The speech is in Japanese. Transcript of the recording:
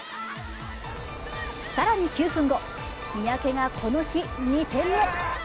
更に９分後、三宅がこの日２点目。